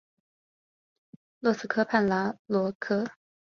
洛斯河畔拉罗科。